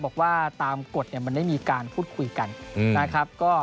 บอกว่าตามกฎมันได้มีการพูดคุยกันนะครับ